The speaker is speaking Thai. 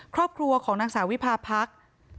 ครอบครัวของนางสาววิพาพรรค